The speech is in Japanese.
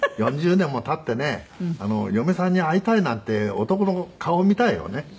４０年も経ってね嫁さんに会いたいなんて男の顔見たいよね。